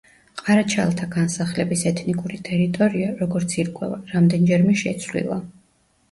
ყარაჩაელთა განსახლების ეთნიკური ტერიტორია, როგორც ირკვევა, რამდენჯერმე შეცვლილა.